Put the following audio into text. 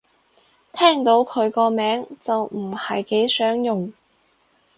聽到佢個名就唔係幾想用